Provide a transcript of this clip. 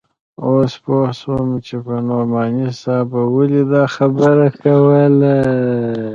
اوس پوه سوم چې نعماني صاحب به ولې دا خبره کوله.